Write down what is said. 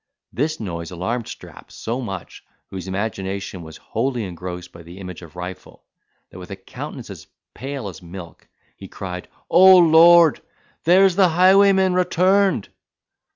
This noise alarmed Strap so much, whose imagination was wholly engrossed by the image of Rifle, that, with a countenance as pale as milk, he cried, "O Lord! there is the highwayman returned!"